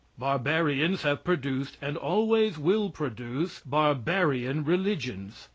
Barbarians have produced, and always will produce barbarian religions.